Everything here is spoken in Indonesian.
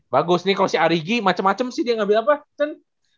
bagus nih kalo si ari gi macem macem sih dia ngambil apa son